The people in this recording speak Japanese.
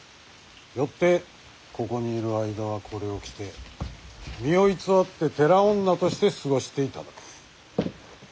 よってここにいる間はこれを着て身を偽って寺女として過ごしていただく。